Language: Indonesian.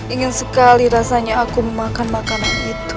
ingin sekali rasanya aku memakan makanan itu